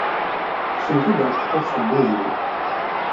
Tekcem tageṛṭeṭṭuct n wul-iw.